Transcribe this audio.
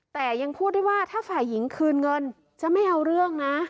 แต่ยังพูดได้ว่าถ้าฝ่ายหญิงคืนเงินจะไม่เอาเรื่องนะ